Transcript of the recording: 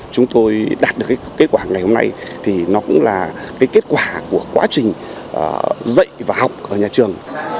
chúng tôi đạt được kết quả ngày hôm nay thì nó cũng là cái kết quả của quá trình dạy và học ở nhà trường